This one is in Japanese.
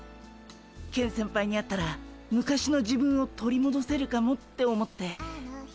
ケン先輩に会ったら昔の自分を取りもどせるかもって思って。